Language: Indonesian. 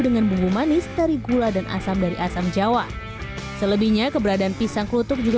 dengan bumbu manis dari gula dan asam dari asam jawa selebihnya keberadaan pisang kelutuk juga